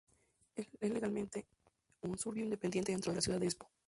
Es legalmente un suburbio independiente dentro de la ciudad de Espoo.